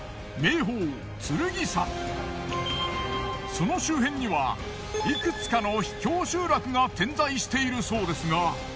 その周辺にはいくつかの秘境集落が点在しているそうですが。